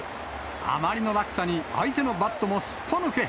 あまりの落差に相手のバットもすっぽ抜け。